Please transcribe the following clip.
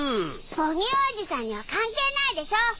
母乳おじさんには関係ないでしょ